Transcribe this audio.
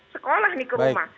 sekolah nih ke rumah